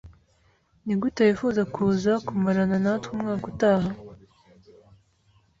Nigute wifuza kuza kumarana natwe umwaka utaha?